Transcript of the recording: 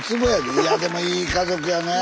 いやでもいい家族やねえ。